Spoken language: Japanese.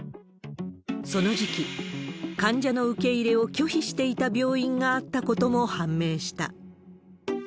その時期、患者の受け入れを拒否していた病院があったことも判明した。